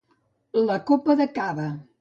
La copa de cava.